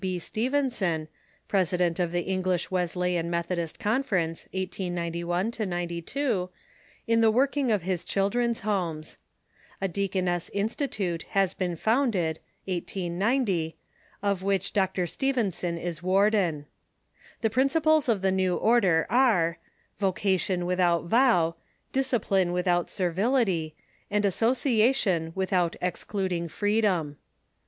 B. Stephenson, president of the English Wesleyan Methodist Conference, 1891 92, in the working of his Children's Homes. A Deaconess Institute has been founded (1890), of which Dr. Stephenson is warden. The principles of the new order are : Vocation without vow, discipline without servility, and as sociation without excluding freedom.